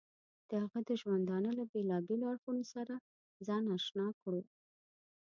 د هغه د ژوندانه له بېلابېلو اړخونو سره ځان اشنا کړو.